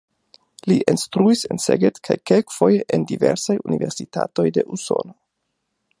Li instruis en Szeged kaj kelkfoje en diversaj universitatoj de Usono.